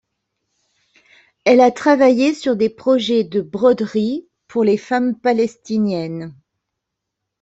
Elle a travaillé sur des projets de broderie pour les femmes palestiniennes.